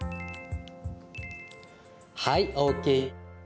はい、ＯＫ。